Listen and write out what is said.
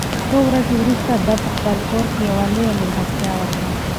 څو ورځې وروسته ده په خپل کور کې یوه لویه مېلمستیا وکړه.